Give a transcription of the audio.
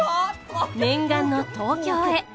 念願の東京へ。